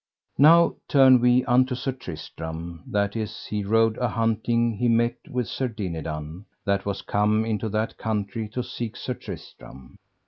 Now turn we unto Sir Tristram, that as he rode a hunting he met with Sir Dinadan, that was come into that country to seek Sir Tristram.